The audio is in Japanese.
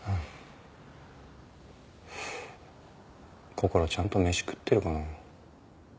こころちゃんと飯食ってるかな？